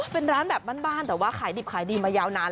เป็นร้านแบบบ้านแต่ว่าขายดิบขายดีมายาวนาน